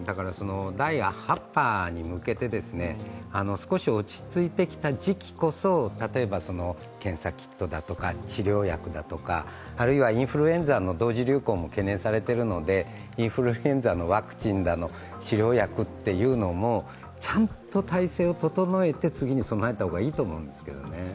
第８波に向けて、少し落ち着いてきた時期こそ、例えば検査キットだとか治療薬だとかあるいはインフルエンザの同時流行も懸念されているのでインフルエンザのワクチンだの、治療薬というのもちゃんと体制を整えて次に備えた方がいいと思うんですけどね。